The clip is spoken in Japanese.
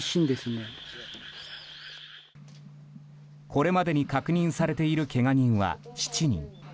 これまでに確認されているけが人は７人。